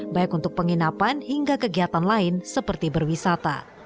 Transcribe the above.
baik untuk penginapan hingga kegiatan lain seperti berwisata